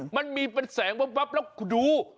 มันมีเป็นแสงวับแล้วคุณดู